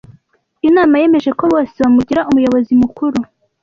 Inama yemeje ko bose bamugira umuyobozi mukuru.